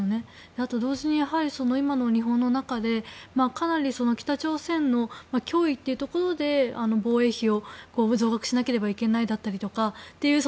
あと、同時に今の日本の中でかなり北朝鮮の脅威というところで防衛費を増額しなければいけないだったり